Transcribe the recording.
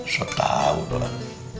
satu tahun pak